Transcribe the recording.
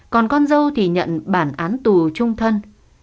còn con dâu thì nhận bản án tù trung thân